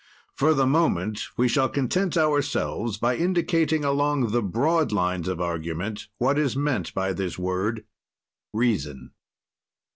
"For the moment we shall content ourselves by indicating, along the broad lines of argument, what is meant by this word reason.